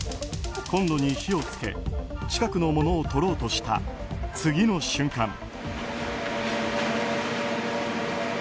コンロに火を付け近くのものを取ろうとした次の瞬間。